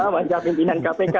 wajah pimpinan kpk